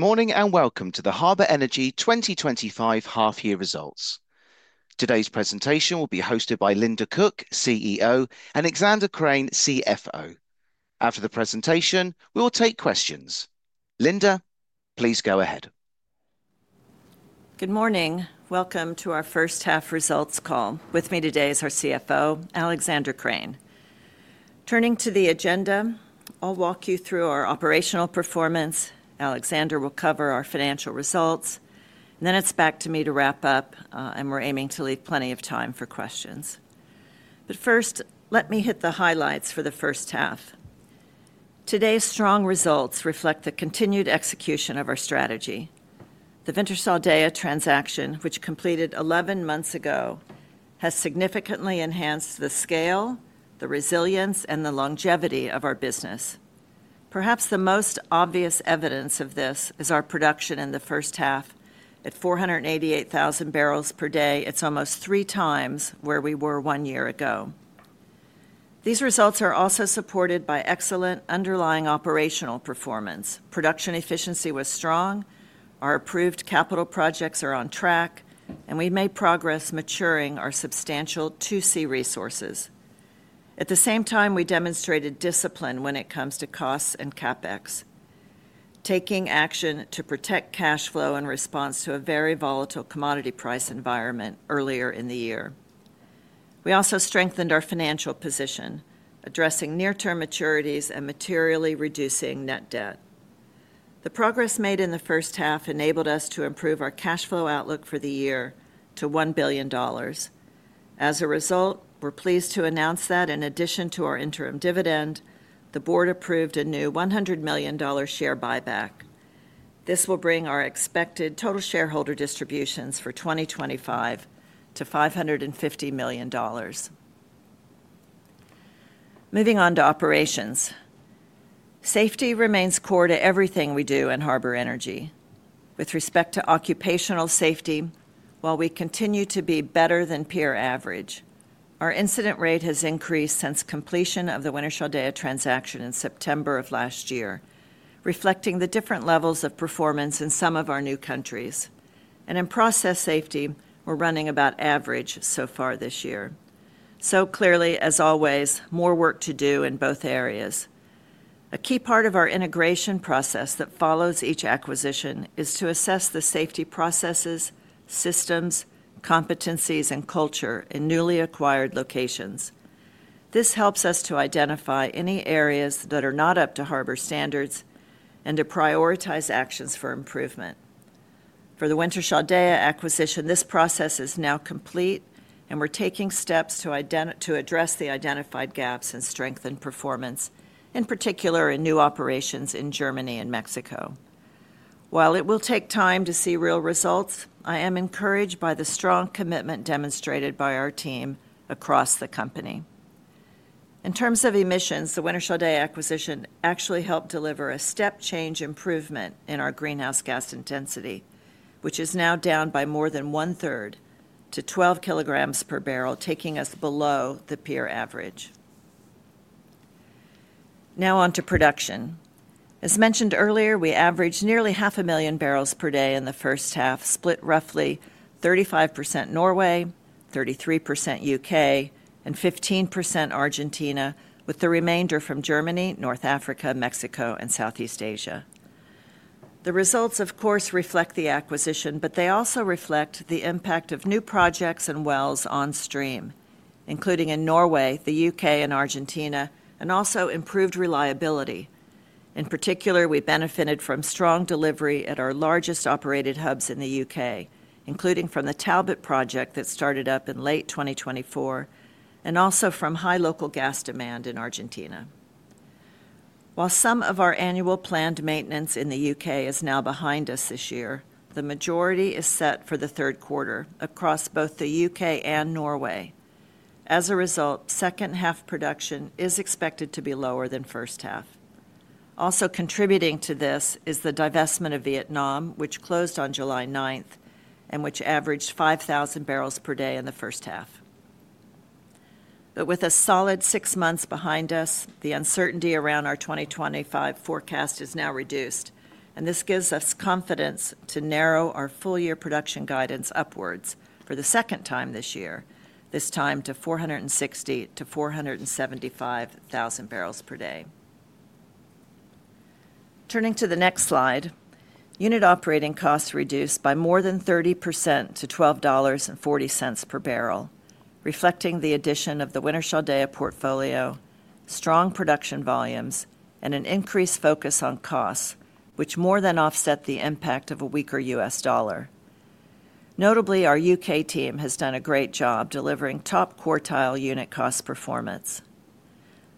Good morning and welcome to the Harbour Energy 2025 half-year results. Today's presentation will be hosted by Linda Cook, CEO, and Alexander Krane, CFO. After the presentation, we will take questions. Linda, please go ahead. Good morning. Welcome to our first half results call. With me today is our CFO, Alexander Krane. Turning to the agenda, I'll walk you through our operational performance. Alexander will cover our financial results. It's back to me to wrap up, and we're aiming to leave plenty of time for questions. First, let me hit the highlights for the first half. Today's strong results reflect the continued execution of our strategy. The Wintershall Dea transaction, which completed 11 months ago, has significantly enhanced the scale, the resilience, and the longevity of our business. Perhaps the most obvious evidence of this is our production in the first half. At 488,000 bbls per day, it's almost 3x where we were one year ago. These results are also supported by excellent underlying operational performance. Production efficiency was strong, our approved capital projects are on track, and we made progress maturing our substantial 2C resources. At the same time, we demonstrated discipline when it comes to costs and CapEx, taking action to protect cash flow in response to a very volatile commodity price environment earlier in the year. We also strengthened our financial position, addressing near-term maturities and materially reducing net debt. The progress made in the first half enabled us to improve our cash flow outlook for the year to $1 billion. As a result, we're pleased to announce that in addition to our interim dividend, the board approved a new $100 million share buyback. This will bring our expected total shareholder distributions for 2025 to $550 million. Moving on to operations. Safety remains core to everything we do at Harbour Energy. With respect to occupational safety, while we continue to be better than peer average, our incident rate has increased since completion of the Wintershall Dea transaction in September of last year, reflecting the different levels of performance in some of our new countries. In process safety, we're running about average so far this year. Clearly, as always, more work to do in both areas. A key part of our integration process that follows each acquisition is to assess the safety processes, systems, competencies, and culture in newly acquired locations. This helps us to identify any areas that are not up to Harbour standards and to prioritize actions for improvement. For the Wintershall Dea acquisition, this process is now complete, and we're taking steps to address the identified gaps and strengthen performance, in particular in new operations in Germany and Mexico. While it will take time to see real results, I am encouraged by the strong commitment demonstrated by our team across the company. In terms of emissions, the Wintershall Dea acquisition actually helped deliver a step-change improvement in our greenhouse gas intensity, which is now down by more than 1/3-12 kg/bbl, taking us below the peer average. Now on to production. As mentioned earlier, we averaged nearly half a million barrels per day in the first half, split roughly 35% Norway, 33% U.K., and 15% Argentina, with the remainder from Germany, North Africa, Mexico, and Southeast Asia. The results, of course, reflect the acquisition, but they also reflect the impact of new projects and wells on stream, including in Norway, the U.K., and Argentina, and also improved reliability. In particular, we benefited from strong delivery at our largest operated hubs in the U.K., including from the Talbot project that started up in late 2024, and also from high local gas demand in Argentina. While some of our annual planned maintenance in the U.K. is now behind us this year, the majority is set for the third quarter across both the U.K. and Norway. As a result, second half production is expected to be lower than first half. Also contributing to this is the divestment of Vietnam, which closed on July 9 and which averaged 5,000 bbls per day in the first half. With a solid six months behind us, the uncertainty around our 2025 forecast is now reduced, and this gives us confidence to narrow our full-year production guidance upwards for the second time this year, this time to 460,000 bbls-475,000 bbls per day. Turning to the next slide, unit operating costs reduced by more than 30% to $12.40 per barrel, reflecting the addition of the Wintershall Dea portfolio, strong production volumes, and an increased focus on costs, which more than offset the impact of a weaker U.S. dollar. Notably, our U.K. team has done a great job delivering top quartile unit cost performance.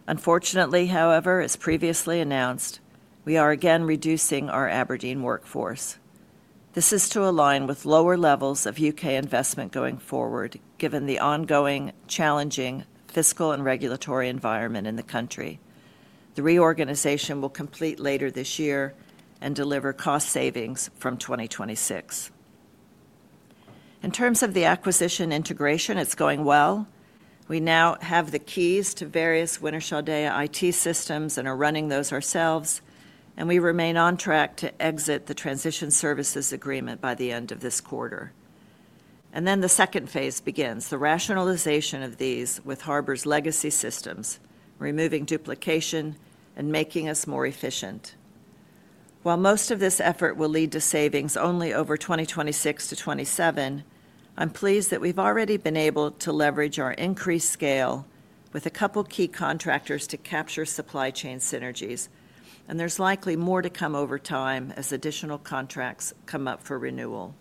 Unfortunately, however, as previously announced, we are again reducing our Aberdeen workforce. This is to align with lower levels of U.K. investment going forward, given the ongoing challenging fiscal and regulatory environment in the country. The reorganization will complete later this year and deliver cost savings from 2026. In terms of the acquisition integration, it's going well. We now have the keys to various Wintershall Dea IT systems and are running those ourselves, and we remain on track to exit the transition services agreement by the end of this quarter. The second phase begins: the rationalization of these with Harbour's legacy systems, removing duplication and making us more efficient. While most of this effort will lead to savings only over 2026-2027, I'm pleased that we've already been able to leverage our increased scale with a couple of key contractors to capture supply chain synergies, and there's likely more to come over time as additional contracts come up for renewal.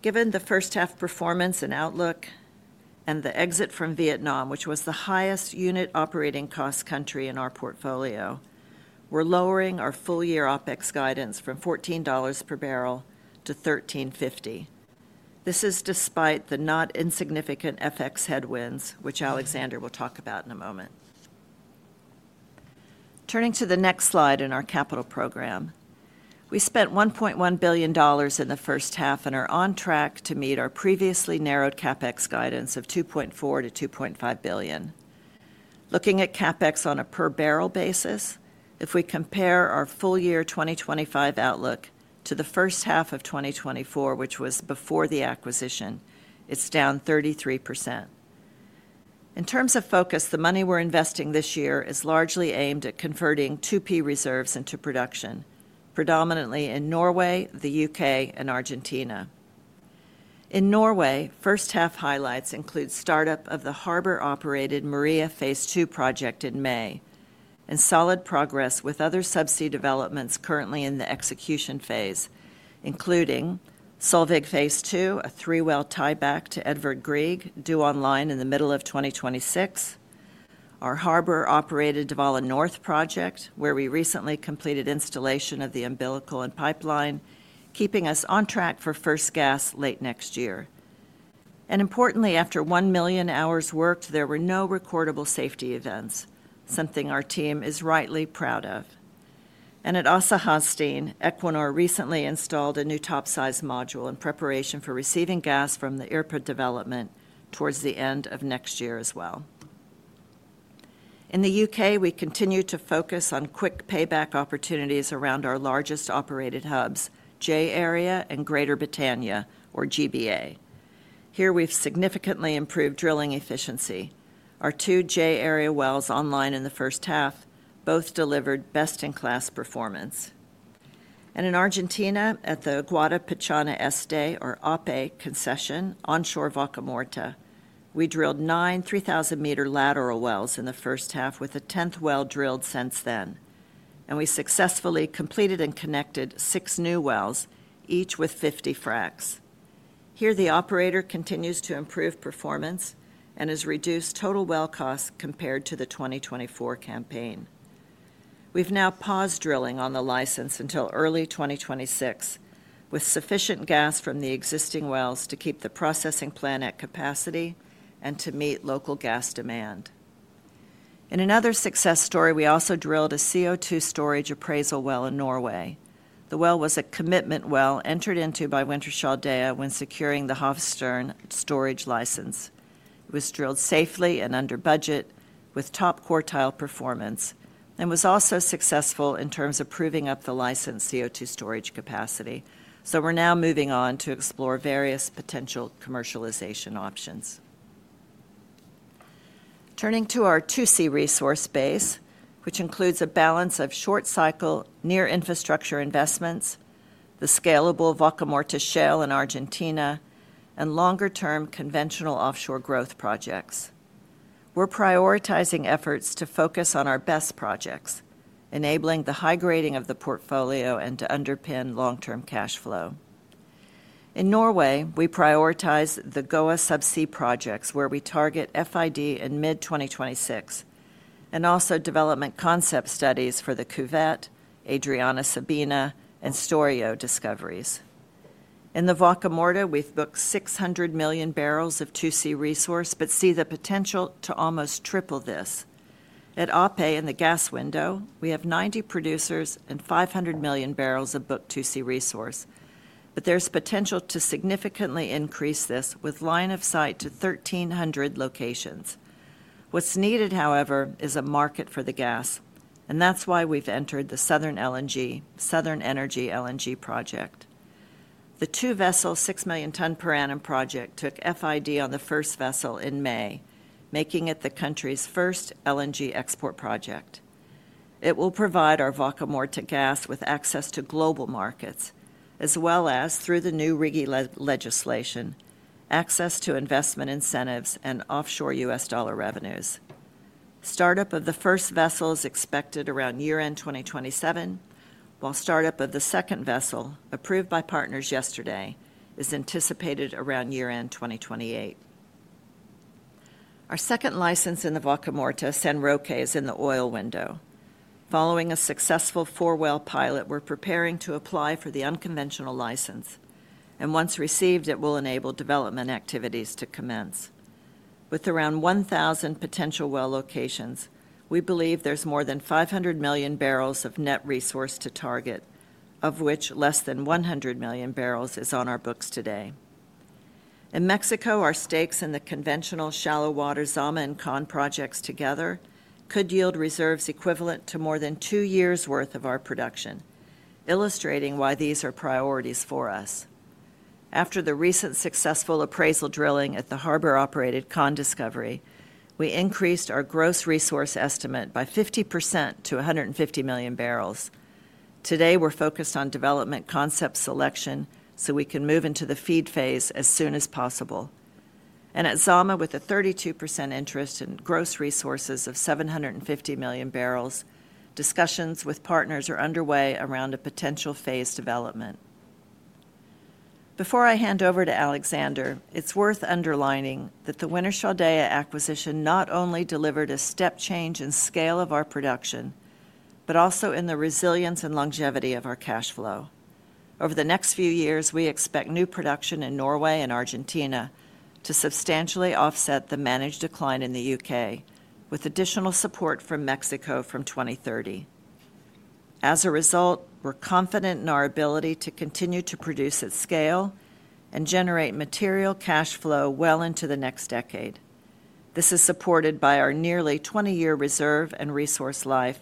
Given the first half performance and outlook, and the exit from Vietnam, which was the highest unit operating cost country in our portfolio, we're lowering our full-year OpEx guidance from $14 per barrel to $13.50. This is despite the not insignificant FX headwinds, which Alexander will talk about in a moment. Turning to the next slide in our capital program, we spent $1.1 billion in the first half and are on track to meet our previously narrowed CapEx guidance of $2.4 billion-$2.5 billion. Looking at CapEx on a per barrel basis, if we compare our full-year 2025 outlook to the first half of 2024, which was before the acquisition, it's down 33%. In terms of focus, the money we're investing this year is largely aimed at converting 2P reserves into production, predominantly in Norway, the U.K., and Argentina. In Norway, first half highlights include startup of the Harbour-operated Maria Phase 2 Project in May, and solid progress with other subsea developments currently in the execution phase, including Solveig Phase 2, a three-well tieback to Edvard Grieg, due online in the middle of 2026. Our Harbour-operated Dvalin North project, where we recently completed installation of the umbilical and pipeline, is keeping us on track for first gas late next year. Importantly, after one million hours worked, there were no recordable safety events, something our team is rightly proud of. At Åsgard Hast, Equinor recently installed a new topside module in preparation for receiving gas from the IRPA development towards the end of next year as well. In the U.K., we continue to focus on quick payback opportunities around our largest operated hubs, J-Area and Greater Britannia, or GBA. Here we've significantly improved drilling efficiency. Our two Jay Area wells online in the first half both delivered best-in-class performance. In Argentina, at the Guatapichana Este, or OPE concession, onshore Vaca Muerta, we drilled nine 3,000 m lateral wells in the first half, with a tenth well drilled since then. We successfully completed and connected six new wells, each with 50 fracs. Here, the operator continues to improve performance and has reduced total well costs compared to the 2024 campaign. We've now paused drilling on the license until early 2026, with sufficient gas from the existing wells to keep the processing plant at capacity and to meet local gas demand. In another success story, we also drilled a CO2 storage appraisal well in Norway. The well was a commitment well entered into by Wintershall Dea when securing the Hofstøren storage license. It was drilled safely and under budget, with top quartile performance, and was also successful in terms of proving up the licensed CO2 storage capacity. We are now moving on to explore various potential commercialization options. Turning to our 2C resource base, which includes a balance of short-cycle, near-infrastructure investments, the scalable Vaca Muerta shale in Argentina, and longer-term conventional offshore growth projects, we're prioritizing efforts to focus on our best projects, enabling the high grading of the portfolio and to underpin long-term cash flow. In Norway, we prioritize the Goa subsea projects, where we target FID in mid-2026, and also development concept studies for the Cuvette, Adriana Sabina, and Storio discoveries. In the Vaca Muerta, we've booked 600 million barrels of 2C resource, but see the potential to almost triple this. At OPE in the gas window, we have 90 producers and 500 million barrels of booked 2C resource, but there's potential to significantly increase this with line of sight to 1,300 locations. What's needed, however, is a market for the gas, which is why we've entered the Southern Energy LNG project. The two-vessel 6 million-ton per annum project took FID on the first vessel in May, making it the country's first LNG export project. It will provide our Vaca Muerta gas with access to global markets, as well as, through the new RIGI legislation, access to investment incentives and offshore U.S. dollar revenues. Startup of the first vessel is expected around year-end 2027, while startup of the second vessel, approved by partners yesterday, is anticipated around year-end 2028. Our second license in the Vaca Muerta, San Roque, is in the oil window. Following a successful four-well pilot, we're preparing to apply for the unconventional license, and once received, it will enable development activities to commence. With around 1,000 potential well locations, we believe there's more than 500 million bbls of net resource to target, of which less than 100 million bbls is on our books today. In Mexico, our stakes in the conventional shallow water Zama and Kan projects together could yield reserves equivalent to more than two years' worth of our production, illustrating why these are priorities for us. After the recent successful appraisal drilling at the Harbour-operated Kan discovery, we increased our gross resource estimate by 50% to 150 million bbls. Today, we're focused on development concept selection so we can move into the feed phase as soon as possible. At Zama, with a 32% interest in gross resources of 750 million bbls, discussions with partners are underway around a potential phased development. Before I hand over to Alexander, it's worth underlining that the Wintershall Dea acquisition not only delivered a step change in scale of our production, but also in the resilience and longevity of our cash flow. Over the next few years, we expect new production in Norway and Argentina to substantially offset the managed decline in the U.K., with additional support from Mexico from 2030. As a result, we're confident in our ability to continue to produce at scale and generate material cash flow well into the next decade. This is supported by our nearly 20-year reserve and resource life,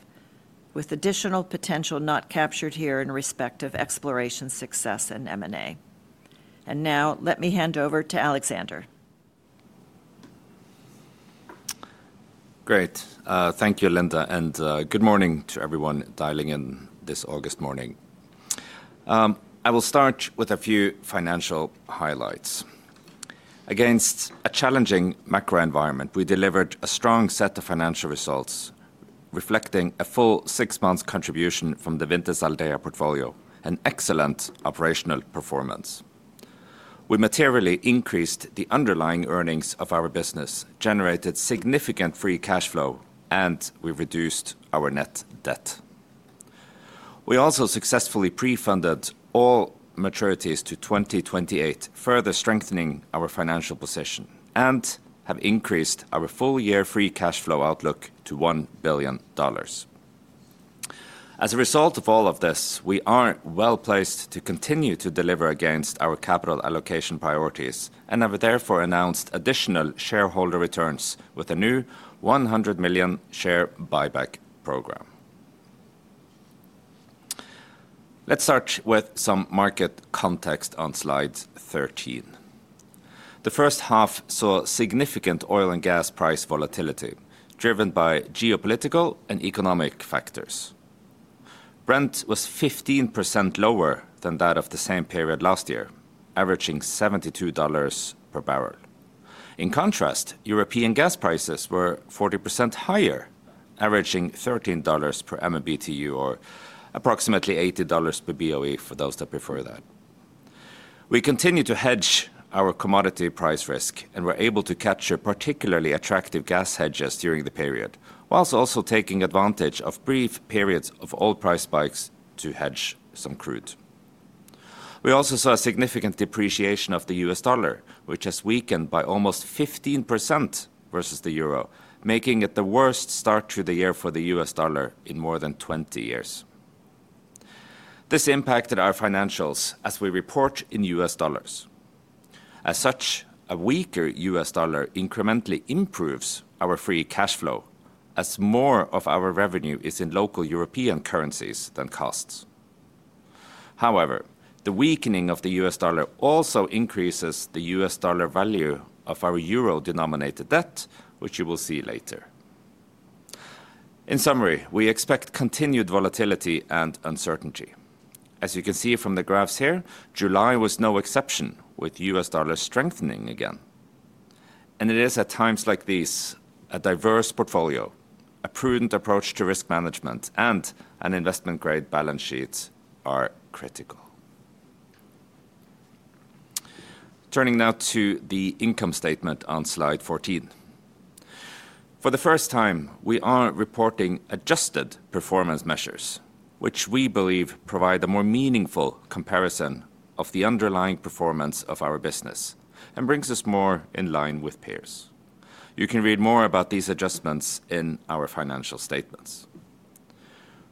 with additional potential not captured here in respect of exploration success and M&A. Now, let me hand over to Alexander. Great. Thank you, Linda, and good morning to everyone dialing in this August morning. I will start with a few financial highlights. Against a challenging macro environment, we delivered a strong set of financial results, reflecting a full six-month contribution from the Wintershall Dea portfolio and excellent operational performance. We materially increased the underlying earnings of our business, generated significant free cash flow, and we reduced our net debt. We also successfully pre-funded all maturities to 2028, further strengthening our financial position, and have increased our full-year free cash flow outlook to $1 billion. As a result of all of this, we are well placed to continue to deliver against our capital allocation priorities, and have therefore announced additional shareholder returns with a new $100 million share buyback program. Let's start with some market context on slide 13. The first half saw significant oil and gas price volatility, driven by geopolitical and economic factors. Brent was 15% lower than that of the same period last year, averaging $72 per barrel. In contrast, European gas prices were 40% higher, averaging $13 per MMBtu or approximately $80 per BOE for those that prefer that. We continue to hedge our commodity price risk, and were able to capture particularly attractive gas hedges during the period, whilst also taking advantage of brief periods of oil price spikes to hedge some crude. We also saw a significant depreciation of the U.S. dollar, which has weakened by almost 15% versus the euro, making it the worst start to the year for the U.S. dollar in more than 20 years. This impacted our financials as we report in U.S. dollars. As such, a weaker U.S. dollar incrementally improves our free cash flow, as more of our revenue is in local European currencies than costs. However, the weakening of the U.S. dollar also increases the U.S. dollar value of our euro-denominated debt, which you will see later. In summary, we expect continued volatility and uncertainty. As you can see from the graphs here, July was no exception, with U.S. dollar strengthening again. It is at times like these a diverse portfolio, a prudent approach to risk management, and an investment-grade balance sheet are critical. Turning now to the income statement on slide 14. For the first time, we are reporting adjusted performance measures, which we believe provide a more meaningful comparison of the underlying performance of our business and bring us more in line with peers. You can read more about these adjustments in our financial statements.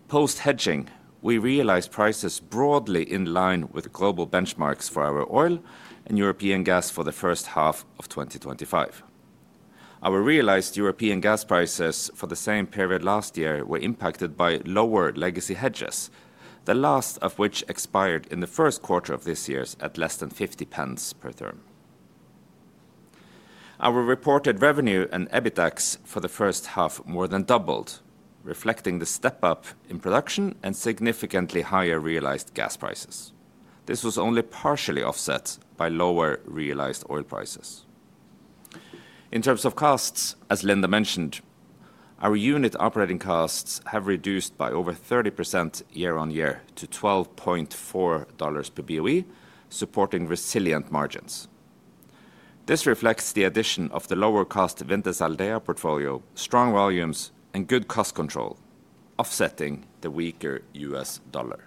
Post-hedging, we realized prices broadly in line with global benchmarks for our oil and European gas for the first half of 2025. Our realized European gas prices for the same period last year were impacted by lower legacy hedges, the last of which expired in the first quarter of this year at less than £0.50 per therm. Our reported revenue and EBITDA for the first half more than doubled, reflecting the step up in production and significantly higher realized gas prices. This was only partially offset by lower realized oil prices. In terms of costs, as Linda mentioned, our unit operating costs have reduced by over 30% year on year to $12.4 per BOE, supporting resilient margins. This reflects the addition of the lower cost Wintershall Dea portfolio, strong volumes, and good cost control, offsetting the weaker U.S. dollar.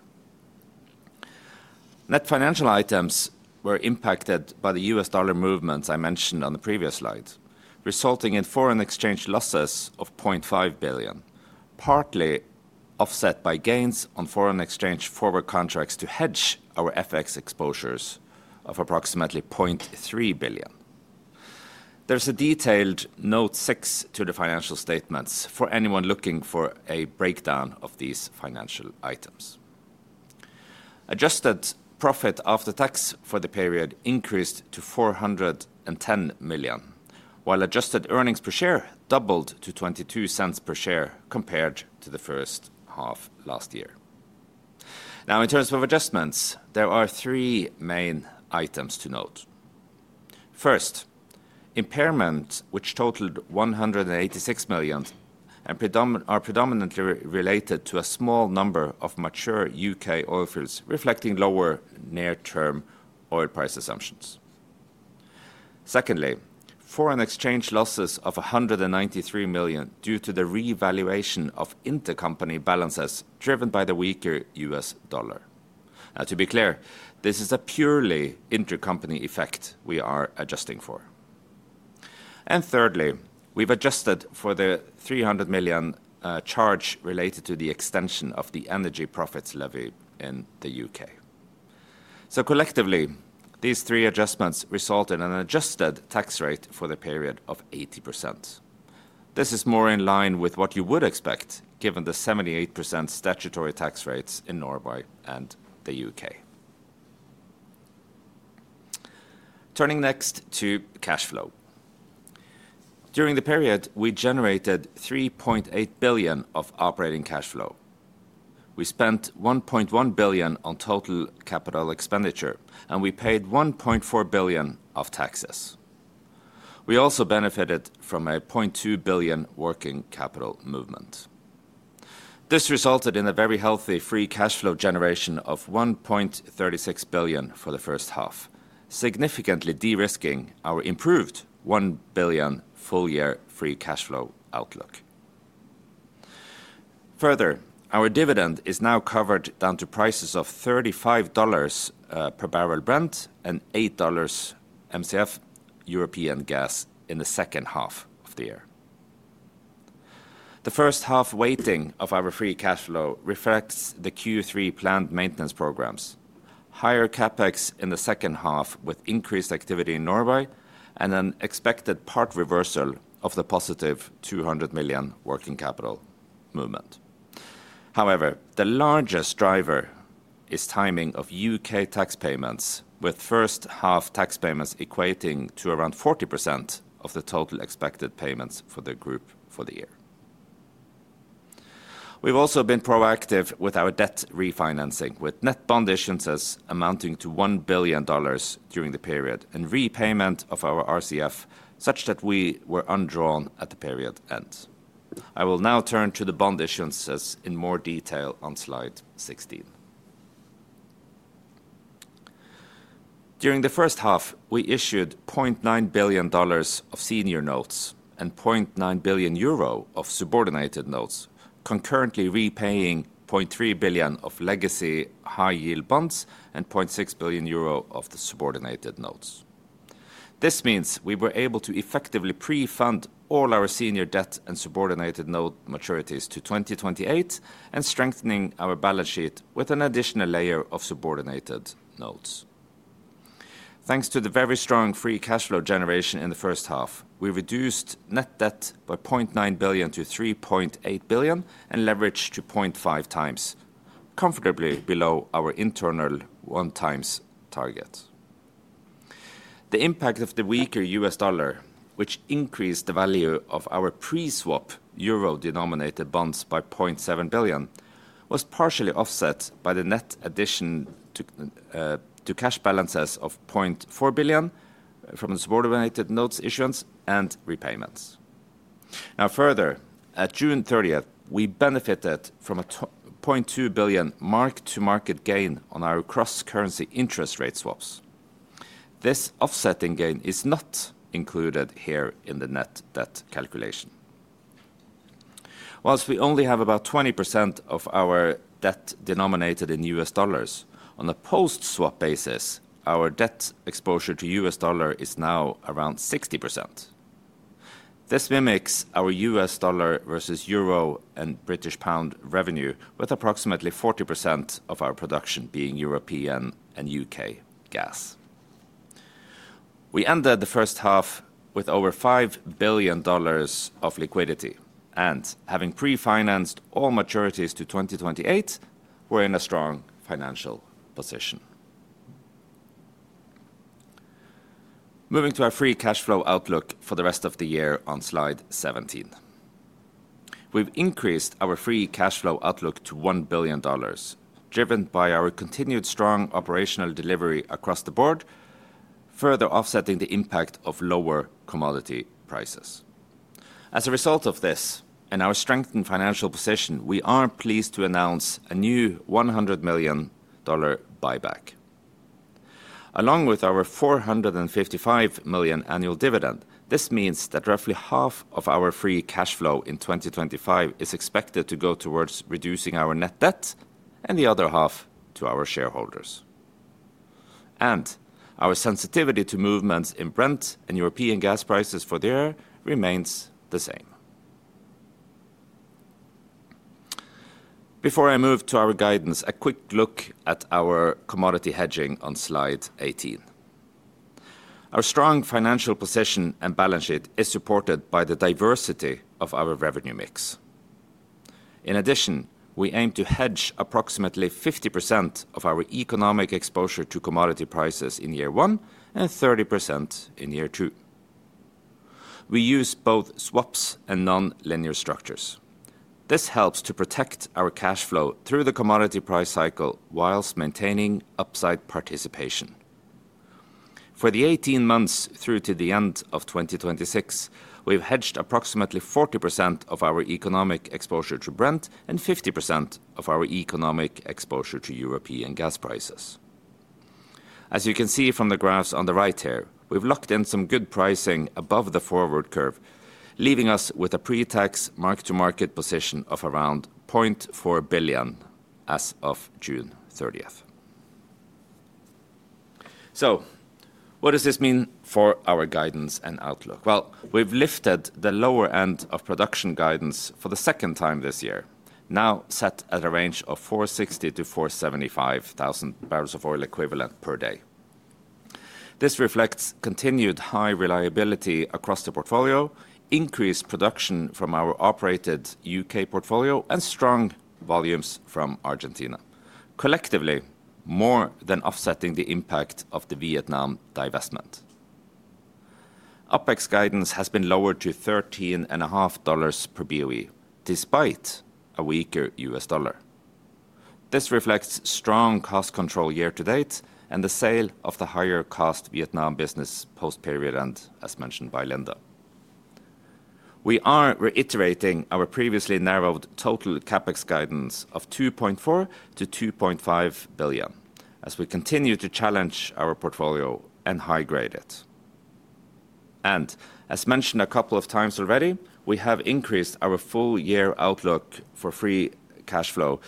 Net financial items were impacted by the U.S. dollar movements I mentioned on the previous slides, resulting in foreign exchange losses of $0.5 billion, partly offset by gains on foreign exchange forward contracts to hedge our FX exposures of approximately $0.3 billion. There is a detailed note 6 to the financial statements for anyone looking for a breakdown of these financial items. Adjusted profit after tax for the period increased to $410 million, while adjusted earnings per share doubled to $0.22 per share compared to the first half last year. Now, in terms of adjustments, there are three main items to note. First, impairment, which totaled $186 million, are predominantly related to a small number of mature U.K. oilfields, reflecting lower near-term oil price assumptions. Secondly, foreign exchange losses of $193 million due to the revaluation of intercompany balances driven by the weaker U.S. dollar. To be clear, this is a purely intercompany effect we are adjusting for. Thirdly, we've adjusted for the $300 million charge related to the extension of the energy profits levy in the U.K. Collectively, these three adjustments result in an adjusted tax rate for the period of 80%. This is more in line with what you would expect, given the 78% statutory tax rates in Norway and the U.K. Turning next to cash flow. During the period, we generated $3.8 billion of operating cash flow. We spent $1.1 billion on total capital expenditure, and we paid $1.4 billion of taxes. We also benefited from a $0.2 billion working capital movement. This resulted in a very healthy free cash flow generation of $1.36 billion for the first half, significantly de-risking our improved $1 billion full-year free cash flow outlook. Further, our dividend is now covered down to prices of $35 per barrel Brent and $8 MCF European gas in the second half of the year. The first half weighting of our free cash flow reflects the Q3 planned maintenance programs, higher CapEx in the second half with increased activity in Norway, and an expected part reversal of the positive $200 million working capital movement. However, the largest driver is timing of U.K. tax payments, with first half tax payments equating to around 40% of the total expected payments for the group for the year. We've also been proactive with our debt refinancing, with net bond issuances amounting to $1 billion during the period and repayment of our RCF such that we were undrawn at the period end. I will now turn to the bond issuances in more detail on slide 16. During the first half, we issued $0.9 billion of senior notes and $0.9 billion of subordinated notes, concurrently repaying $0.3 billion of legacy high-yield bonds and $0.6 billion of the subordinated notes. This means we were able to effectively pre-fund all our senior debt and subordinated note maturities to 2028, and strengthening our balance sheet with an additional layer of subordinated notes. Thanks to the very strong free cash flow generation in the first half, we reduced net debt by $0.9 billion to $3.8 billion and leveraged to 0.5x, comfortably below our internal one-times target. The impact of the weaker U.S. dollar, which increased the value of our pre-swap euro-denominated bonds by $0.7 billion, was partially offset by the net addition to cash balances of $0.4 billion from the subordinated notes issuance and repayments. Now, further, at June 30th, we benefited from a $0.2 billion mark-to-market gain on our cross-currency interest rate swaps. This offsetting gain is not included here in the net debt calculation. Whilst we only have about 20% of our debt denominated in U.S. dollars, on a post-swap basis, our debt exposure to U.S. dollar is now around 60%. This mimics our U.S. dollar versus euro and British pound revenue, with approximately 40% of our production being European and U.K. gas. We ended the first half with over $5 billion of liquidity, and having pre-financed all maturities to 2028, we're in a strong financial position. Moving to our free cash flow outlook for the rest of the year on slide 17, we've increased our free cash flow outlook to $1 billion, driven by our continued strong operational delivery across the board, further offsetting the impact of lower commodity prices. As a result of this, and our strengthened financial position, we are pleased to announce a new $100 million buyback. Along with our $455 million annual dividend, this means that roughly half of our free cash flow in 2025 is expected to go towards reducing our net debt, and the other half to our shareholders. Our sensitivity to movements in Brent and European gas prices for the year remains the same. Before I move to our guidance, a quick look at our commodity hedging on slide 18. Our strong financial position and balance sheet is supported by the diversity of our revenue mix. In addition, we aim to hedge approximately 50% of our economic exposure to commodity prices in year one and 30% in year two. We use both swaps and non-linear structures. This helps to protect our cash flow through the commodity price cycle whilst maintaining upside participation. For the 18 months through to the end of 2026, we've hedged approximately 40% of our economic exposure to Brent and 50% of our economic exposure to European gas prices. As you can see from the graphs on the right here, we've locked in some good pricing above the forward curve, leaving us with a pre-tax mark-to-market position of around $0.4 billion as of June 30th. What does this mean for our guidance and outlook? We've lifted the lower end of production guidance for the second time this year, now set at a range of 460,000 bbls-475,000 bbls of oil equivalent per day. This reflects continued high reliability across the portfolio, increased production from our operated U.K. portfolio, and strong volumes from Argentina, collectively more than offsetting the impact of the Vietnam divestment. OpEx guidance has been lowered to $13.5 per BOE, despite a weaker US dollar. This reflects strong cost control year to date and the sale of the higher-cost Vietnam business post-period end, as mentioned by Linda. We are reiterating our previously narrowed total CapEx guidance of $2.4 billion-$2.5 billion, as we continue to challenge our portfolio and high grade it. As mentioned a couple of times already, we have increased our full-year outlook for free cash flow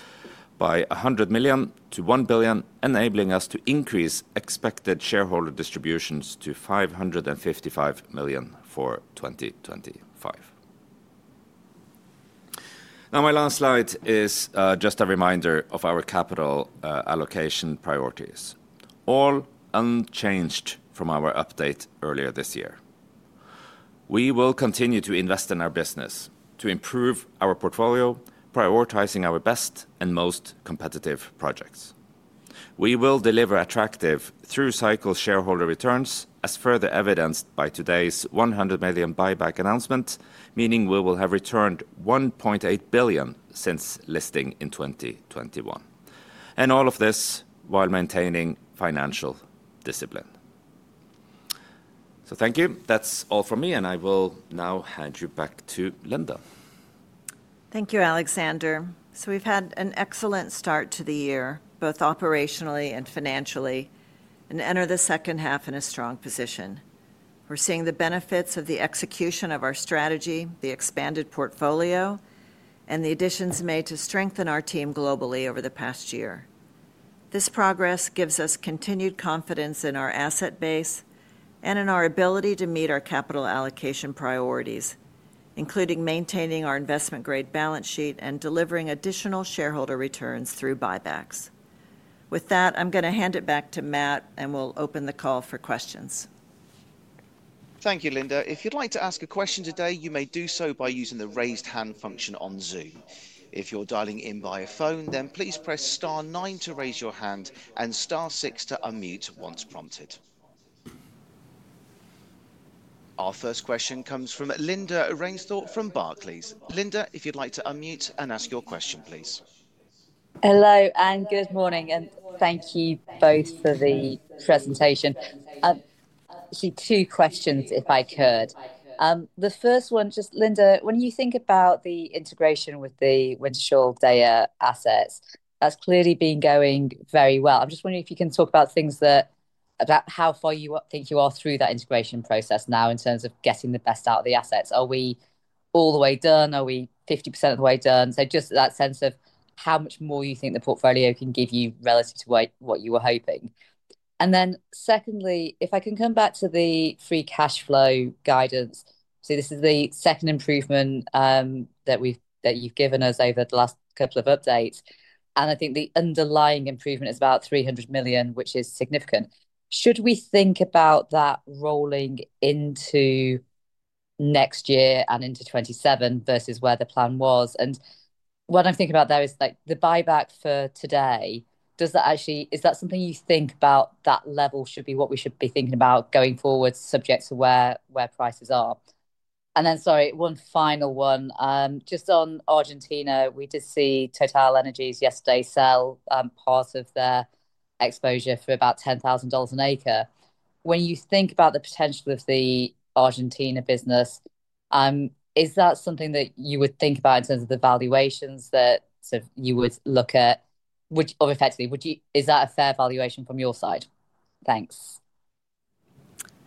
by $100 million to $1 billion, enabling us to increase expected shareholder distributions to $555 million for 2025. My last slide is just a reminder of our capital allocation priorities, all unchanged from our update earlier this year. We will continue to invest in our business to improve our portfolio, prioritizing our best and most competitive projects. We will deliver attractive through-cycle shareholder returns, as further evidenced by today's $100 million buyback announcement, meaning we will have returned $1.8 billion since listing in 2021. All of this while maintaining financial discipline. Thank you. That's all from me, and I will now hand you back to Linda. Thank you, Alexander. We have had an excellent start to the year, both operationally and financially, and entered the second half in a strong position. We are seeing the benefits of the execution of our strategy, the expanded portfolio, and the additions made to strengthen our team globally over the past year. This progress gives us continued confidence in our asset base and in our ability to meet our capital allocation priorities, including maintaining our investment-grade balance sheet and delivering additional shareholder returns through buybacks. With that, I'm going to hand it back to Matt, and we'll open the call for questions. Thank you, Linda. If you'd like to ask a question today, you may do so by using the raised hand function on Zoom. If you're dialing in via phone, then please press star nine to raise your hand and star six to unmute once prompted. Our first question comes from Lydia Rainforth from Barclays. Linda, if you'd like to unmute and ask your question, please. Hello, and good morning, and thank you both for the presentation. Actually, two questions, if I could. The first one, just Linda, when you think about the integration with the Wintershall Dea assets, that's clearly been going very well. I'm just wondering if you can talk about things that about how far you think you are through that integration process now in terms of getting the best out of the assets. Are we all the way done? Are we 50% of the way done? Just that sense of how much more you think the portfolio can give you relative to what you were hoping. Secondly, if I can come back to the free cash flow guidance, this is the second improvement that you've given us over the last couple of updates. I think the underlying improvement is about $300 million, which is significant. Should we think about that rolling into next year and into 2027 versus where the plan was? What I'm thinking about there is like the buyback for today, does that actually, is that something you think about that level should be what we should be thinking about going forward subject to where prices are? Sorry, one final one, just on Argentina, we did see TotalEnergies yesterday sell part of their exposure for about $10,000 an acre. When you think about the potential of the Argentina business, is that something that you would think about in terms of the valuations that you would look at? Would you, or effectively, is that a fair valuation from your side? Thanks.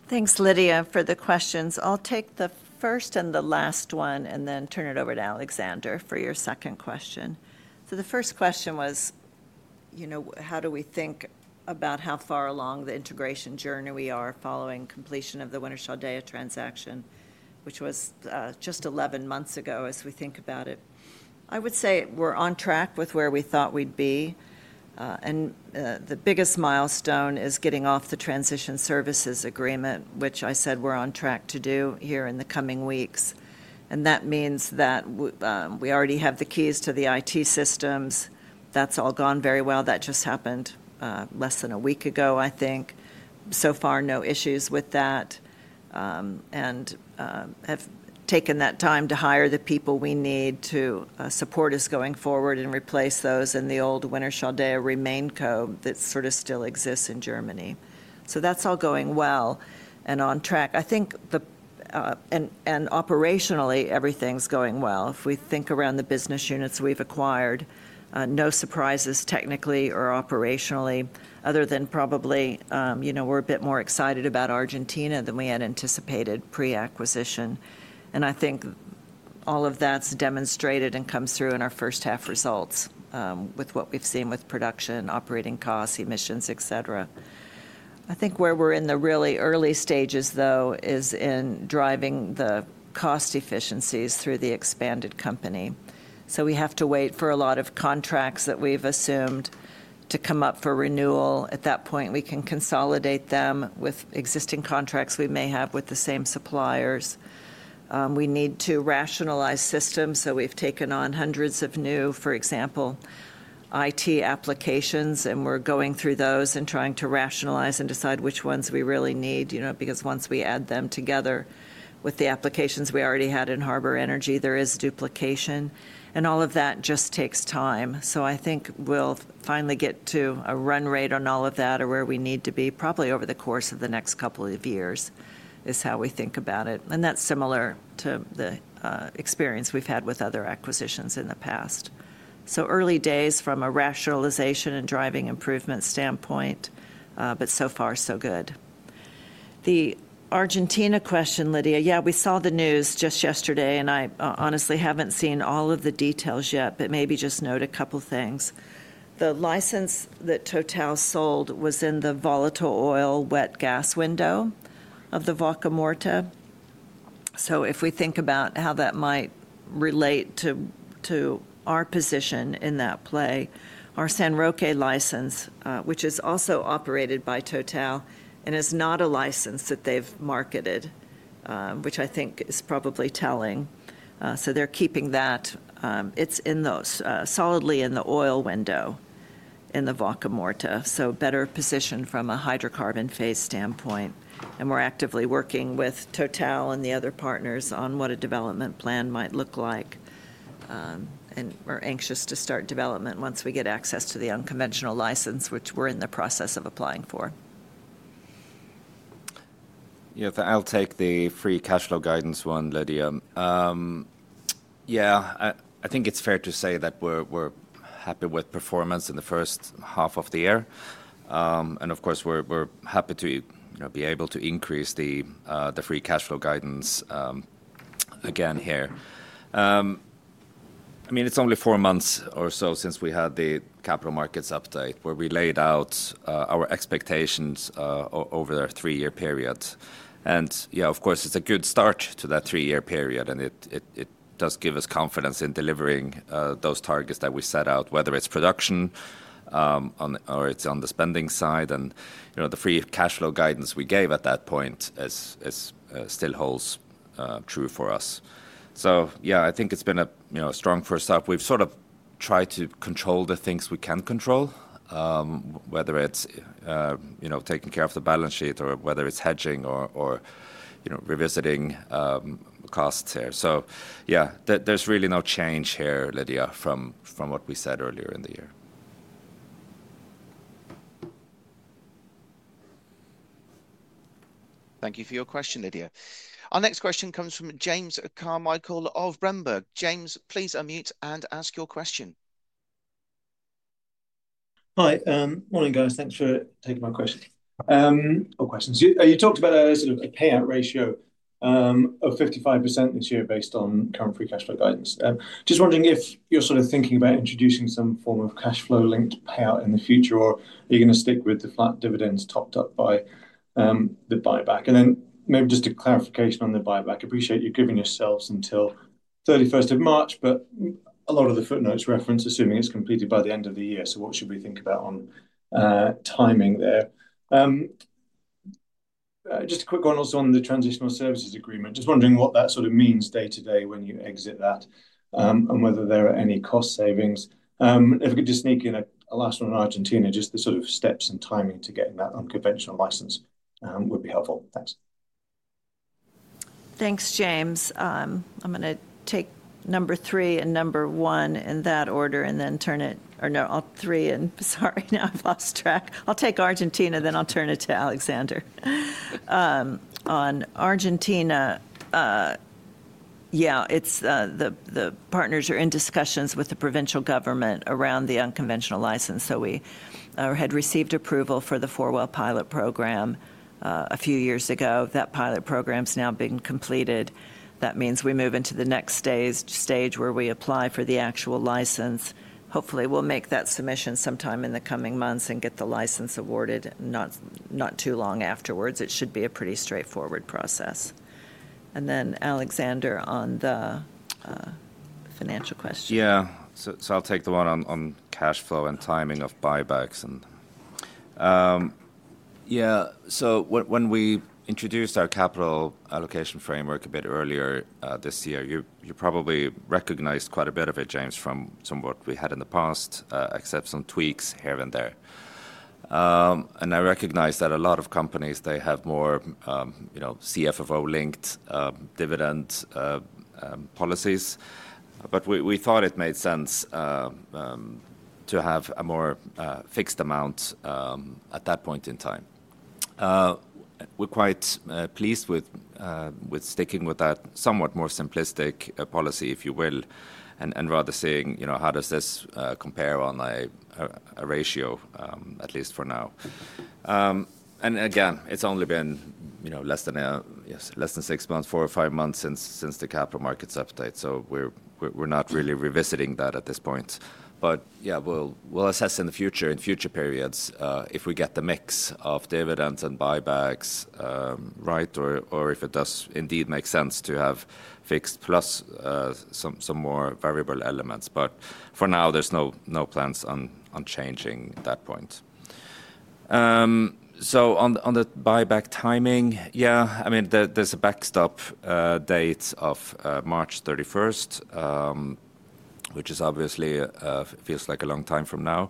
Thanks, Lydia, for the questions. I'll take the first and the last one and then turn it over to Alexander for your second question. The first question was, you know, how do we think about how far along the integration journey we are following completion of the Wintershall Dea transaction, which was just 11 months ago as we think about it? I would say we're on track with where we thought we'd be. The biggest milestone is getting off the transition services agreement, which I said we're on track to do here in the coming weeks. That means that we already have the keys to the IT systems. That's all gone very well. That just happened less than a week ago, I think. So far, no issues with that. We have taken that time to hire the people we need to support us going forward and replace those in the old Wintershall Dea Remain Co. that sort of still exists in Germany. That's all going well and on track. I think, and operationally, everything's going well. If we think around the business units we've acquired, no surprises technically or operationally, other than probably, you know, we're a bit more excited about Argentina than we had anticipated pre-acquisition. I think all of that's demonstrated and comes through in our first half results with what we've seen with production, operating costs, emissions, et cetera. I think where we're in the really early stages, though, is in driving the cost efficiencies through the expanded company. We have to wait for a lot of contracts that we've assumed to come up for renewal. At that point, we can consolidate them with existing contracts we may have with the same suppliers. We need to rationalize systems. We've taken on hundreds of new, for example, IT applications, and we're going through those and trying to rationalize and decide which ones we really need, you know, because once we add them together with the applications we already had in Harbour Energy, there is duplication. All of that just takes time. I think we'll finally get to a run rate on all of that or where we need to be probably over the course of the next couple of years is how we think about it. That's similar to the experience we've had with other acquisitions in the past. Early days from a rationalization and driving improvement standpoint, but so far, so good. The Argentina question, Lydia, yeah, we saw the news just yesterday, and I honestly haven't seen all of the details yet, but maybe just note a couple of things. The license that Total sold was in the volatile oil wet gas window of the Vaca Muerta. If we think about how that might relate to our position in that play, our San Roque license, which is also operated by Total and is not a license that they've marketed, which I think is probably telling. They're keeping that. It's solidly in the oil window in the Vaca Muerta, so better positioned from a hydrocarbon phase standpoint. We're actively working with Total and the other partners on what a development plan might look like. We're anxious to start development once we get access to the unconventional license, which we're in the process of applying for. Yeah, I'll take the free cash flow guidance one, Lydia. I think it's fair to say that we're happy with performance in the first half of the year. Of course, we're happy to be able to increase the free cash flow guidance again here. I mean, it's only four months or so since we had the capital markets update where we laid out our expectations over a three-year period. Yeah, of course, it's a good start to that three-year period, and it does give us confidence in delivering those targets that we set out, whether it's production or it's on the spending side. You know, the free cash flow guidance we gave at that point still holds true for us. I think it's been a strong first up. We've sort of tried to control the things we can control, whether it's taking care of the balance sheet or whether it's hedging or revisiting costs here. There's really no change here, Lydia, from what we said earlier in the year. Thank you for your question, Lydia. Our next question comes from James Carmichael of Berenberg. James, please unmute and ask your question. Hi, morning guys. Thanks for taking my question. Or questions. You talked about a sort of a payout ratio of 55% this year based on current free cash flow guidance. Just wondering if you're sort of thinking about introducing some form of cash flow linked payout in the future, or are you going to stick with the flat dividends topped up by the buyback? Maybe just a clarification on the buyback. I appreciate you've given yourselves until 31st of March, but a lot of the footnotes reference assuming it's completed by the end of the year. What should we think about on timing there? Just a quick one also on the transition services agreement. Just wondering what that sort of means day to day when you exit that and whether there are any cost savings. If we could just sneak in a last one on Argentina, just the sort of steps and timing to getting that unconventional license would be helpful. Thanks. Thanks, James. I'm going to take number three and number one in that order, then turn it, or no, all three, sorry, now I've lost track. I'll take Argentina, then I'll turn it to Alexander. On Argentina, the partners are in discussions with the provincial government around the unconventional license. We had received approval for the four-well pilot program a few years ago. That pilot program's now being completed. That means we move into the next stage where we apply for the actual license. Hopefully, we'll make that submission sometime in the coming months and get the license awarded not too long afterwards. It should be a pretty straightforward process. Alexander, on the financial question. Yeah, so I'll take the one on cash flow and timing of buybacks. When we introduced our capital allocation framework a bit earlier this year, you probably recognized quite a bit of it, James, from what we had in the past, except some tweaks here and there. I recognize that a lot of companies have more CFO-linked dividend policies. We thought it made sense to have a more fixed amount at that point in time. We're quite pleased with sticking with that somewhat more simplistic policy, if you will, and rather seeing how does this compare on a ratio, at least for now. It's only been less than six months, four or five months since the capital markets update. We're not really revisiting that at this point. We'll assess in the future, in future periods, if we get the mix of dividends and buybacks right, or if it does indeed make sense to have fixed plus some more variable elements. For now, there's no plans on changing that point. On the buyback timing, there's a backstop date of March 31st, which obviously feels like a long time from now.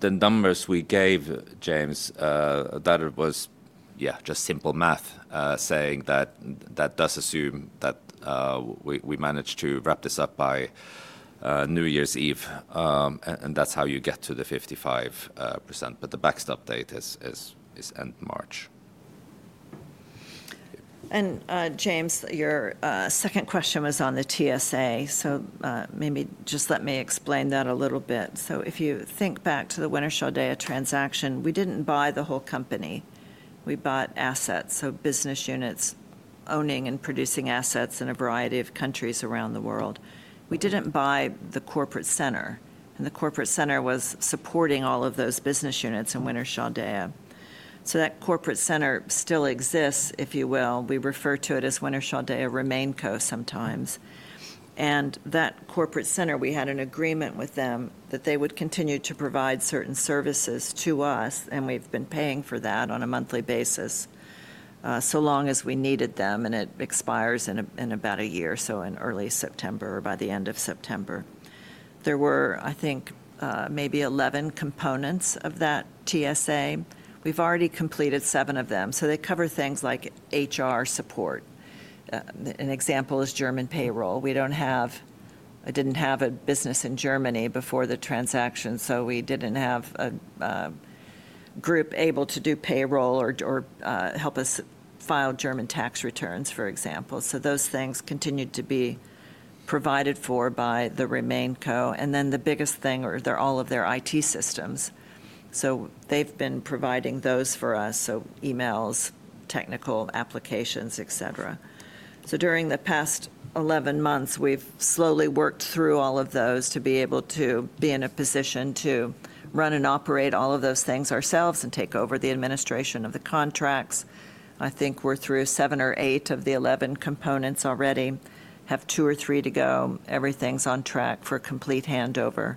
The numbers we gave, James, that it was just simple math saying that does assume that we managed to wrap this up by New Year's Eve. That's how you get to the 55%. The backstop date is end March. James, your second question was on the transition services agreement. Maybe just let me explain that a little bit. If you think back to the Wintershall Dea transaction, we didn't buy the whole company. We bought assets, so business units, owning and producing assets in a variety of countries around the world. We didn't buy the corporate center. The corporate center was supporting all of those business units in Wintershall Dea. That corporate center still exists, if you will. We refer to it as Wintershall Dea Remain Co. sometimes. That corporate center, we had an agreement with them that they would continue to provide certain services to us, and we've been paying for that on a monthly basis as long as we needed them. It expires in about a year, so in early September or by the end of September. There were, I think, maybe 11 components of that transition services agreement. We've already completed seven of them. They cover things like HR support. An example is German payroll. We didn't have a business in Germany before the transaction, so we didn't have a group able to do payroll or help us file German tax returns, for example. Those things continued to be provided for by the Remain Co. The biggest thing is all of their IT systems. They've been providing those for us, so emails, technical applications, et cetera. During the past 11 months, we've slowly worked through all of those to be able to be in a position to run and operate all of those things ourselves and take over the administration of the contracts. I think we're through seven or eight of the 11 components already, have two or three to go. Everything's on track for complete handover,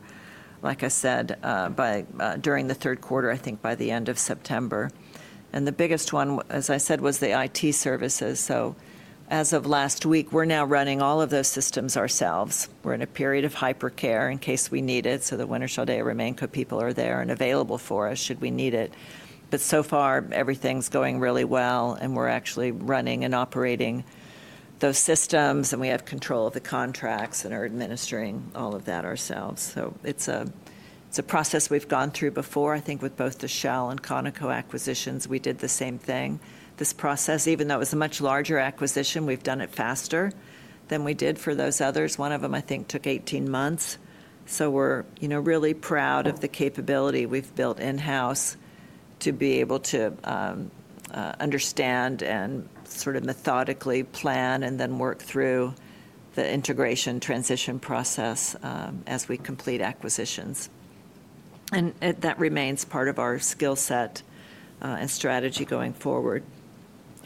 like I said, during the third quarter, I think by the end of September. The biggest one, as I said, was the IT services. As of last week, we're now running all of those systems ourselves. We're in a period of hypercare in case we need it. The Wintershall Dea Remain Co. people are there and available for us should we need it. So far, everything's going really well, and we're actually running and operating those systems, and we have control of the contracts and are administering all of that ourselves. It's a process we've gone through before. I think with both the Shell and Conoco acquisitions, we did the same thing. This process, even though it was a much larger acquisition, we've done it faster than we did for those others. One of them, I think, took 18 months. We're really proud of the capability we've built in-house to be able to understand and sort of methodically plan and then work through the integration transition process as we complete acquisitions. That remains part of our skill set and strategy going forward.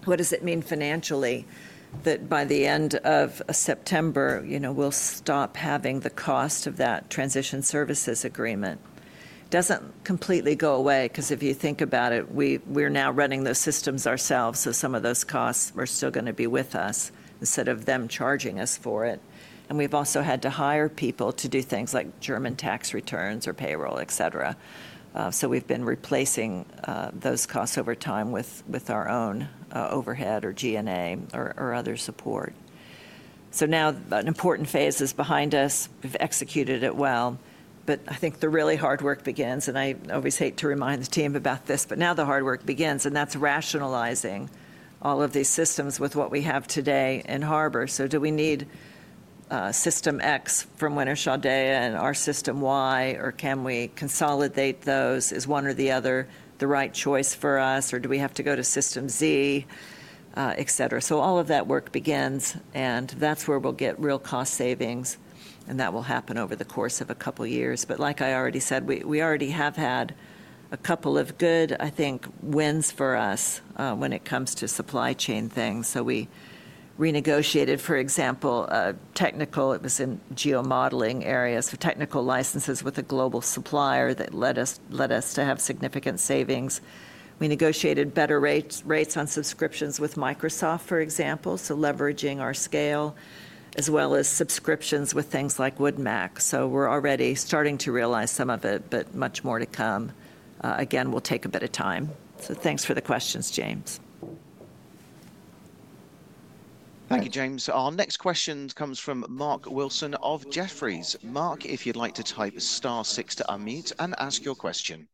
What does it mean financially that by the end of September, you know, we'll stop having the cost of that transition services agreement? It doesn't completely go away because if you think about it, we're now running those systems ourselves, so some of those costs are still going to be with us instead of them charging us for it. We've also had to hire people to do things like German tax returns or payroll, et cetera. We've been replacing those costs over time with our own overhead or G&A or other support. Now an important phase is behind us. We've executed it well. I think the really hard work begins, and I always hate to remind the team about this, but now the hard work begins, and that's rationalizing all of these systems with what we have today in Harbour. Do we need System X from Wintershall Dea and our System Y, or can we consolidate those? Is one or the other the right choice for us, or do we have to go to System Z, etc? All of that work begins, and that's where we'll get real cost savings, and that will happen over the course of a couple of years. Like I already said, we already have had a couple of good, I think, wins for us when it comes to supply chain things. We renegotiated, for example, technical, it was in geomodeling areas, so technical licenses with a global supplier that led us to have significant savings. We negotiated better rates on subscriptions with Microsoft, for example, so leveraging our scale as well as subscriptions with things like Woodmac. We're already starting to realize some of it, but much more to come. Again, we'll take a bit of time. Thanks for the questions, James. Thank you, James. Our next question comes from Mark Wilson of Jefferies. Mark, if you'd like to type star six to unmute and ask your question.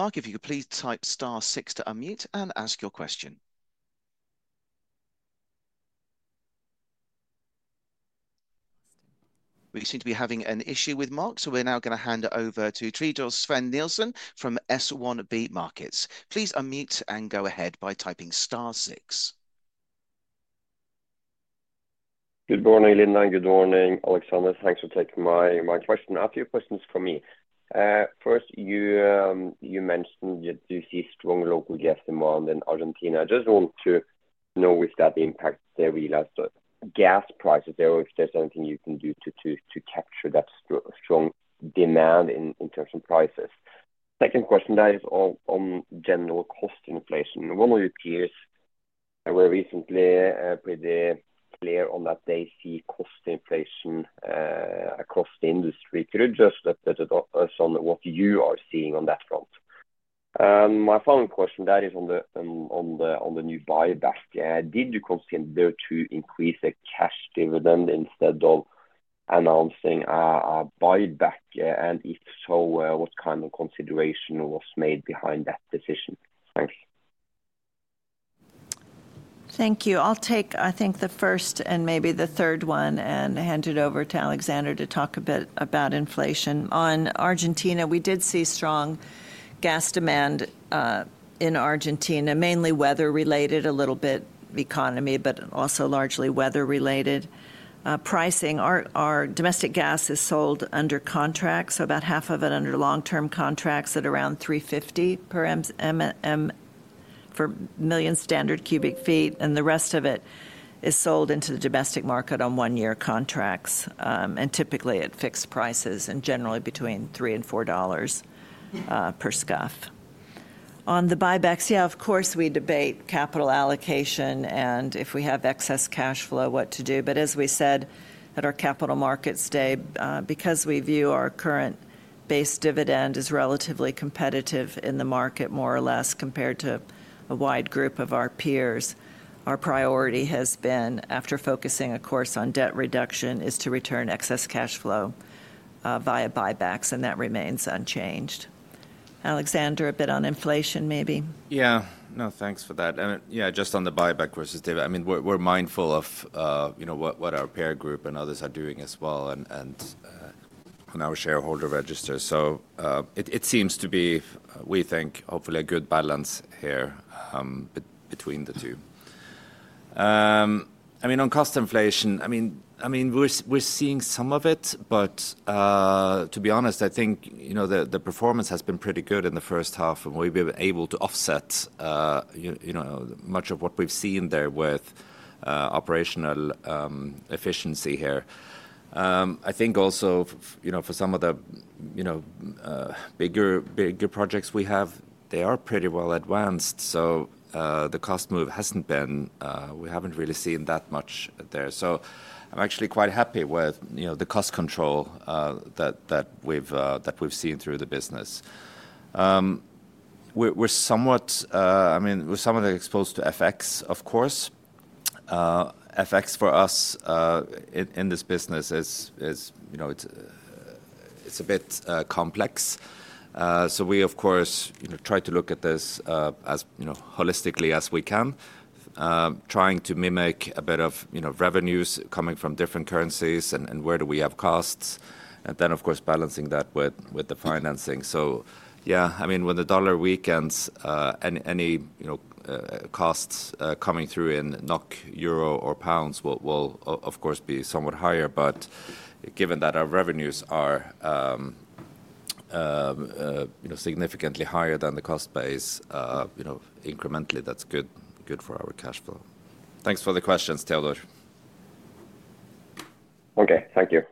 Mark, if you could please type star six to unmute and ask your question. We seem to be having an issue with Mark, so we're now going to hand it over to Teodor Sveen‑Nilsen from SB1 Markets. Please unmute and go ahead by typing star six. Good morning, Linda. Good morning, Alexander. Thanks for taking my question. A few questions for me. First, you mentioned that you see strong local gas demand in Argentina. I just want to know if that impacts the gas prices there or if there's anything you can do to capture that strong demand in terms of prices. Second question, that is on general cost inflation. One of your peers were recently pretty clear on that they see cost inflation across the industry. Could you just update us on what you are seeing on that front? My final question, that is on the new buyback. Did you consider to increase the cash dividend instead of announcing a buyback? If so, what kind of consideration was made behind that decision? Thanks. Thank you. I'll take, I think, the first and maybe the third one and hand it over to Alexander to talk a bit about inflation. On Argentina, we did see strong gas demand in Argentina, mainly weather-related, a little bit economy, but also largely weather-related. Pricing, our domestic gas is sold under contracts, so about half of it under long-term contracts at around $3.50 per million standard cu ft, and the rest of it is sold into the domestic market on one-year contracts, and typically at fixed prices and generally between $3 and $4 per scuff. On the buybacks, yeah, of course, we debate capital allocation and if we have excess cash flow, what to do. As we said at our capital markets day, because we view our current base dividend as relatively competitive in the market, more or less compared to a wide group of our peers, our priority has been, after focusing, of course, on debt reduction, is to return excess cash flow via buybacks, and that remains unchanged. Alexander, a bit on inflation, maybe? Yeah, no, thanks for that. Just on the buyback versus dividend, we're mindful of what our peer group and others are doing as well and on our shareholder register. It seems to be, we think, hopefully a good balance here between the two. On cost inflation, we're seeing some of it, but to be honest, I think the performance has been pretty good in the first half, and we've been able to offset much of what we've seen there with operational efficiency here. I think also, for some of the bigger projects we have, they are pretty well advanced. The cost move hasn't been, we haven't really seen that much there. I'm actually quite happy with the cost control that we've seen through the business. We're somewhat exposed to FX, of course. FX for us in this business is a bit complex. We, of course, try to look at this as holistically as we can, trying to mimic a bit of revenues coming from different currencies and where we have costs, and then, of course, balancing that with the financing. When the dollar weakens, any costs coming through in NOK, euro, or pounds will, of course, be somewhat higher, but given that our revenues are significantly higher than the cost base, incrementally, that's good for our cash flow. Thanks for the questions, Teodor. Okay, thank you.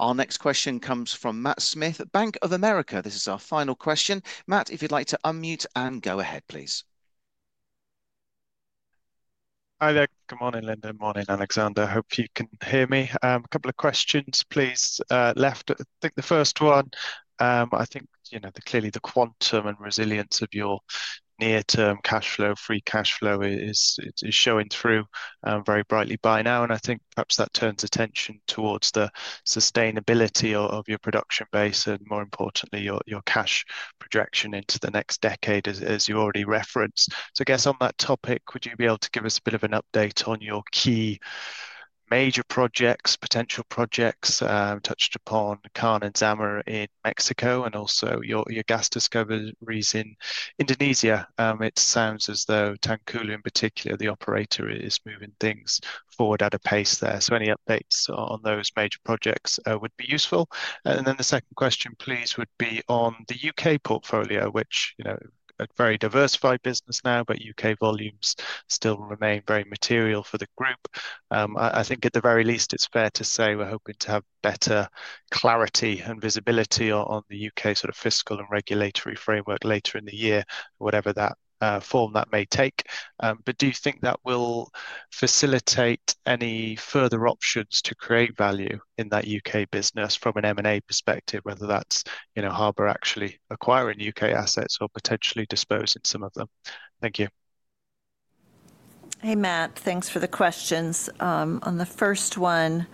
Our next question comes from Matt Smith at Bank of America. This is our final question. Matt, if you'd like to unmute and go ahead, please. Hi there. Good morning, Linda. Morning, Alexander. I hope you can hear me. A couple of questions, please. I think the first one, you know, clearly the quantum and resilience of your near-term cash flow, free cash flow is showing through very brightly by now, and I think perhaps that turns attention towards the sustainability of your production base and, more importantly, your cash projection into the next decade, as you already referenced. I guess on that topic, would you be able to give us a bit of an update on your key major projects, potential projects? We touched upon Kan and Zama in Mexico and also your gas discoveries in Indonesia. It sounds as though Tancuru in particular, the operator, is moving things forward at a pace there. Any updates on those major projects would be useful. The second question, please, would be on the U.K. portfolio, which, you know, a very diversified business now, but U.K. volumes still remain very material for the group. I think at the very least, it's fair to say we're hoping to have better clarity and visibility on the U.K. sort of fiscal and regulatory framework later in the year, whatever form that may take. Do you think that will facilitate any further options to create value in that U.K. business from an M&A perspective, whether that's Harbour actually acquiring U.K. assets or potentially disposing of some of them? Thank you. Hey Matt, thanks for the questions. On the first one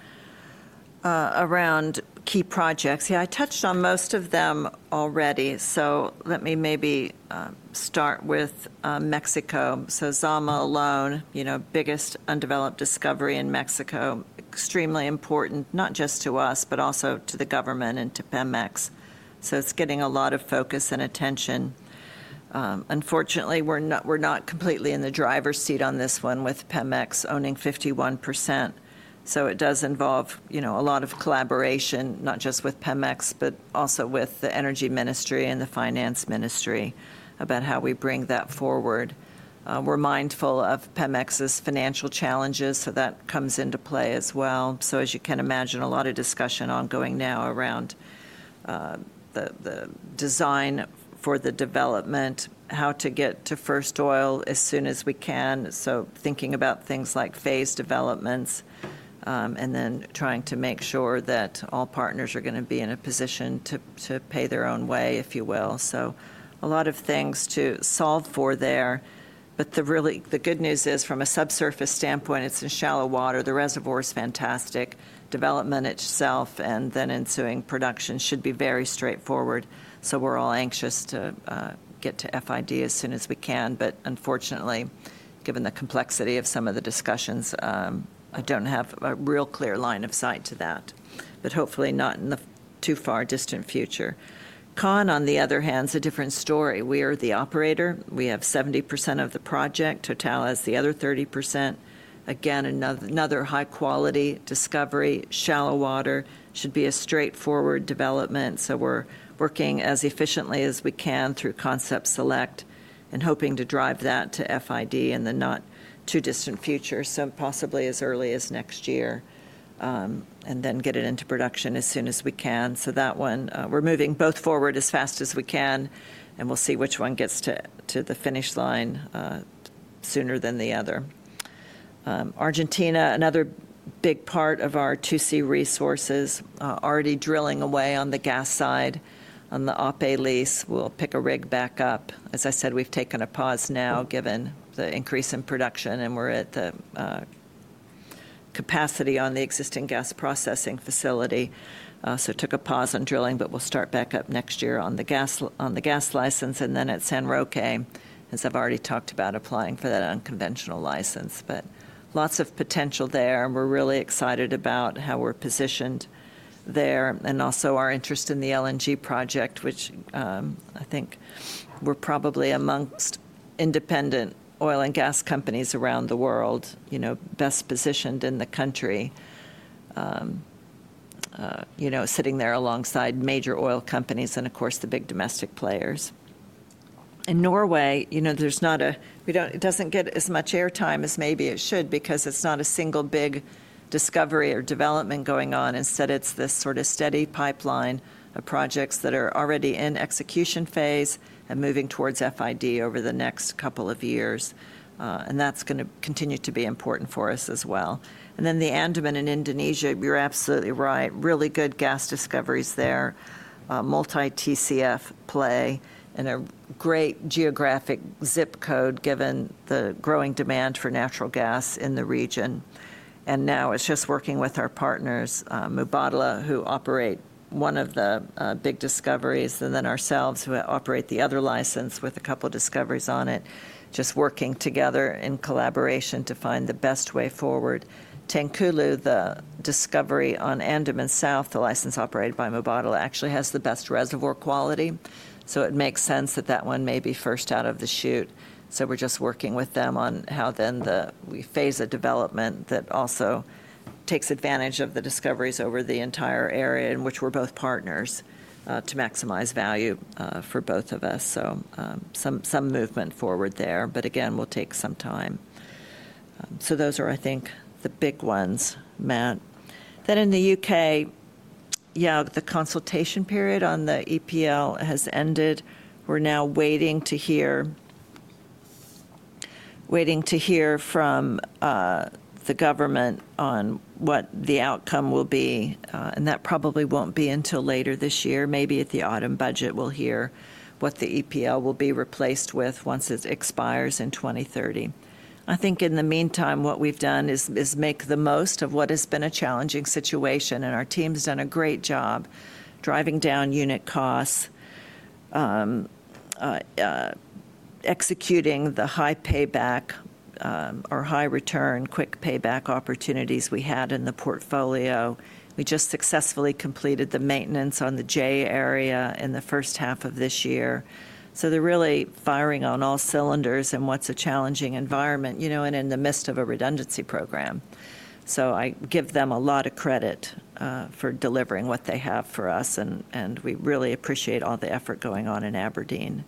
around key projects, yeah, I touched on most of them already. Let me maybe start with Mexico. Zama alone, you know, biggest undeveloped discovery in Mexico, extremely important, not just to us, but also to the government and to Pemex. It's getting a lot of focus and attention. Unfortunately, we're not completely in the driver's seat on this one with Pemex owning 51%. It does involve, you know, a lot of collaboration, not just with Pemex, but also with the Energy Ministry and the Finance Ministry about how we bring that forward. We're mindful of Pemex's financial challenges, so that comes into play as well. As you can imagine, a lot of discussion ongoing now around the design for the development, how to get to first oil as soon as we can. Thinking about things like phase developments and then trying to make sure that all partners are going to be in a position to pay their own way, if you will. A lot of things to solve for there. The good news is from a subsurface standpoint, it's in shallow water. The reservoir is fantastic. Development itself and then ensuing production should be very straightforward. We're all anxious to get to FID as soon as we can. Unfortunately, given the complexity of some of the discussions, I don't have a real clear line of sight to that. Hopefully not in the too far distant future. Kan, on the other hand, is a different story. We are the operator. We have 70% of the project. Total has the other 30%. Again, another high-quality discovery, shallow water, should be a straightforward development. We're working as efficiently as we can through Concept Select and hoping to drive that to FID in the not-too-distant future, possibly as early as next year, and then get it into production as soon as we can. That one, we're moving both forward as fast as we can, and we'll see which one gets to the finish line sooner than the other. Argentina, another big part of our 2C resources, already drilling away on the gas side. On the OPE lease, we'll pick a rig back up. As I said, we've taken a pause now given the increase in production, and we're at the capacity on the existing gas processing facility. Took a pause on drilling, but we'll start back up next year on the gas license. At San Roque, as I've already talked about, applying for that unconventional license. Lots of potential there. We're really excited about how we're positioned there, and also our interest in the LNG project, which I think we're probably amongst independent oil and gas companies around the world, you know, best positioned in the country, you know, sitting there alongside major oil companies and, of course, the big domestic players. In Norway, you know, it doesn't get as much airtime as maybe it should because it's not a single big discovery or development going on. Instead, it's this sort of steady pipeline of projects that are already in execution phase and moving towards FID over the next couple of years. That's going to continue to be important for us as well. The Andaman in Indonesia, you're absolutely right, really good gas discoveries there, multi-TCF play, and a great geographic zip code given the growing demand for natural gas in the region. Now it's just working with our partners, Mubadala, who operate one of the big discoveries, and then ourselves who operate the other license with a couple of discoveries on it, just working together in collaboration to find the best way forward. Tancuru, the discovery on Andaman South, the license operated by Mubadala, actually has the best reservoir quality. It makes sense that that one may be first out of the chute. We're just working with them on how we phase a development that also takes advantage of the discoveries over the entire area in which we're both partners to maximize value for both of us. Some movement forward there, but again, it'll take some time. Those are, I think, the big ones. In the U.K., yeah, the consultation period on the EPL has ended. We're now waiting to hear from the government on what the outcome will be. That probably won't be until later this year. Maybe at the autumn budget, we'll hear what the EPL will be replaced with once it expires in 2030. I think in the meantime, what we've done is make the most of what has been a challenging situation, and our team's done a great job driving down unit costs, executing the high payback or high return, quick payback opportunities we had in the portfolio. We just successfully completed the maintenance on the J Area in the first half of this year. They're really firing on all cylinders in what's a challenging environment, you know, and in the midst of a redundancy program. I give them a lot of credit for delivering what they have for us, and we really appreciate all the effort going on in Aberdeen.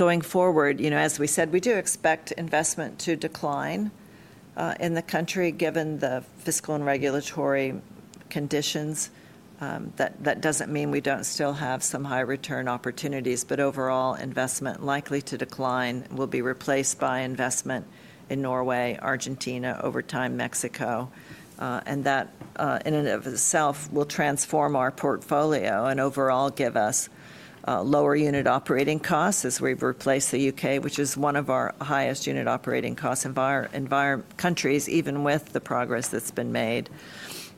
Going forward, as we said, we do expect investment to decline in the country given the fiscal and regulatory conditions. That doesn't mean we don't still have some high return opportunities, but overall investment likely to decline will be replaced by investment in Norway, Argentina, over time, Mexico. That in and of itself will transform our portfolio and overall give us lower unit operating costs as we replace the U.K., which is one of our highest unit operating cost countries, even with the progress that's been made.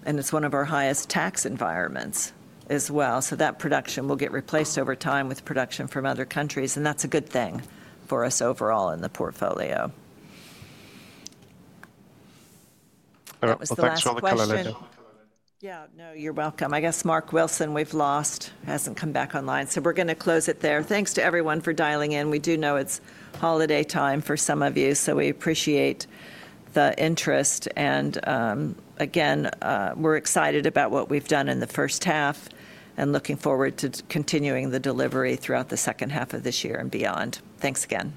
It's one of our highest tax environments as well. That production will get replaced over time with production from other countries, and that's a good thing for us overall in the portfolio. All right, thanks for the clarification. Yeah, no, you're welcome. I guess Mark Wilson we've lost, hasn't come back online. We're going to close it there. Thanks to everyone for dialing in. We do know it's holiday time for some of you, so we appreciate the interest. We're excited about what we've done in the first half and looking forward to continuing the delivery throughout the second half of this year and beyond. Thanks again.